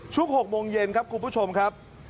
๖โมงเย็นครับคุณผู้ชมครับ